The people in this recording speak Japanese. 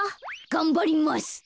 がんばります。